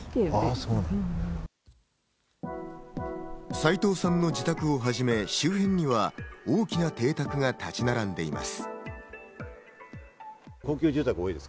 斎藤さんの自宅をはじめ、周辺には大きな邸宅が建ち並んでいます。